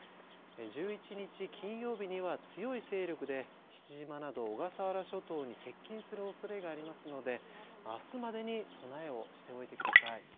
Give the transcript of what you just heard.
１１日金曜日には強い勢力で父島など小笠原諸島に接近するおそれがありますのであすまでに備えをしておいてください。